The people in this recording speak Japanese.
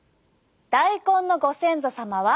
大根のご先祖様は。